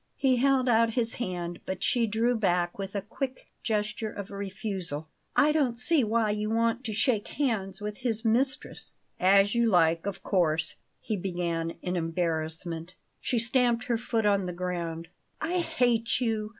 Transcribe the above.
He held out his hand, but she drew back with a quick gesture of refusal. "I don't see why you want to shake hands with his mistress." "As you like, of course," he began in embarrassment. She stamped her foot on the ground. "I hate you!"